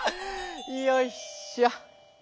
よいしょ。